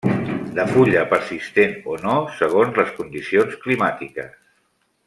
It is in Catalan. De fulla persistent o no segons les condicions climàtiques.